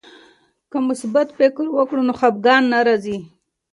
که مثبت فکر وکړو نو خفګان نه راځي.